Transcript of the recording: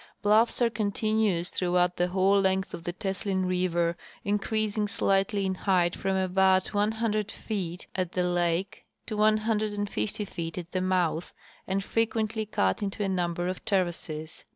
Bluffs are continuous throughout the whole length of the Teslin river, increasing slightly in height from about 100 feet at the lake to 150 feet at the mouth, and frequently cut into a number of terraces.